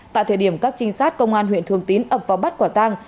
tại thời điểm các trinh sát công an huyện thường tín ập vào bắt quả tang